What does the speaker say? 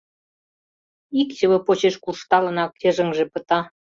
Ик чыве почеш куржталынак йыжыҥже пыта.